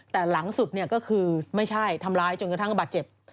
แต่หลังสุดเนี่ยก็คือไม่ใช่ทำร้ายจนกระทั่งบาดเจ็บ